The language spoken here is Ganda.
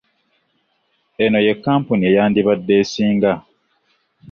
Eno ye kkampuni eyandibadde esinga.